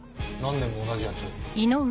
何年も同じやつ。